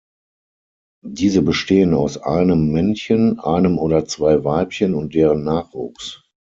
Diese bestehen aus einem Männchen, einem oder zwei Weibchen und deren Nachwuchs.